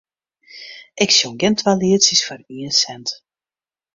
Ik sjong gjin twa lietsjes foar ien sint.